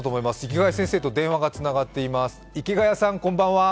池谷先生と電話がつながっています。